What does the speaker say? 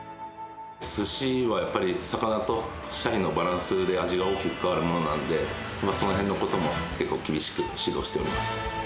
すしはやっぱり魚とシャリのバランスで味が大きく変わるものなんで、そのへんのことも結構厳しく指導しております。